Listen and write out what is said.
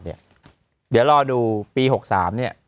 เดี๋ยวรอดูปี๖๓เนี่ย